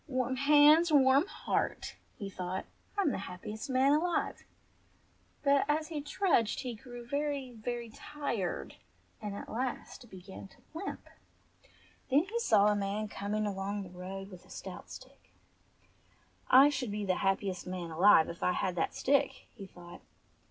"Warm hands, warm heart !" he thought. "I'm the happiest man alive !" But as he trudged he grew very, very tired, and at last began to limp. Then he saw a man coming along the road with a stout stick. "I should be the happiest man alive if I had that stick," he thought.